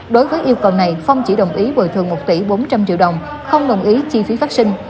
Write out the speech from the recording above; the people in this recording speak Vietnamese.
đối với yêu cầu này không chỉ đồng ý bồi thường một tỷ bốn trăm linh triệu đồng không đồng ý chi phí phát sinh